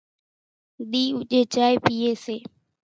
ۮِي اُوڄي چائي پيئي سي،